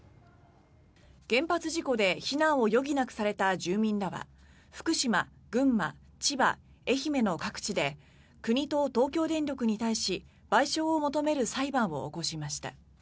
原発事故で避難を余儀なくされた住民らは福島、群馬、千葉、愛媛の各地で国と東京電力に対し賠償を求める裁判を起こしました。